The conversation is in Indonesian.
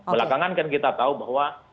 belakangan kan kita tahu bahwa